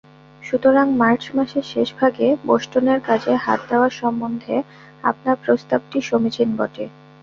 সুতরাং মার্চ মাসের শেষভাগে বোষ্টনের কাজে হাত দেওয়ার সম্বন্ধে আপনার প্রস্তাবটি সমীচীন বটে।